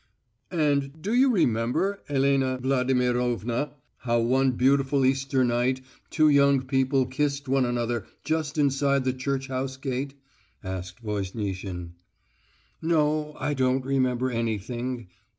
"And do you remember, Elena Vladimirovna, how one beautiful Easter night two young people kissed one another just inside the church house gate?" asked Voznitsin. "No, I don't remember anything....